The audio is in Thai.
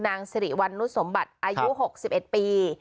นางสิริวันนุษย์สมบัติอายุหกสิบเอ็ดปี